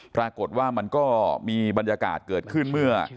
ปรากฏว่ามันก็มีบรรยากาศเกิดขึ้นเมื่อ